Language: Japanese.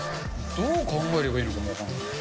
どう考えればいいのかも分からない。